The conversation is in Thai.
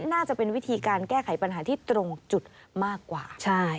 น่าจะเป็นวิธีการแก้ไขปัญหาที่ตรงจุดมากกว่า